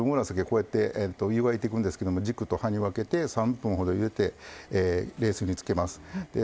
こうやって湯がいていくんですけども軸と葉に分けて３分ほどゆでて冷水につけます。